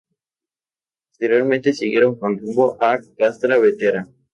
Posteriormente siguieron con rumbo a Castra Vetera.